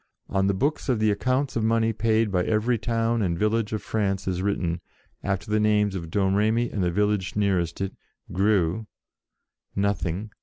On the books of the accounts of money paid by every town and village of France is written, after the names of Domremy and the village nearest it, Greux, Nothing.